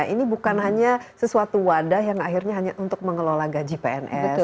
ini bukan hanya sesuatu wadah yang akhirnya hanya untuk mengelola gaji pns